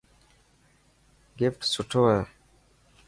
گفٽ سٺو هي.